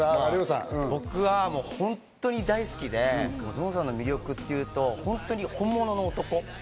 僕は本当に大好きで、ＺＯＲＮさんの魅力っていうと本物の男。